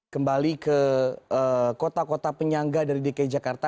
kembali ke kota kota penyangga dari dki jakarta